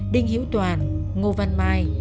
đinh hiếu toàn ngô văn mai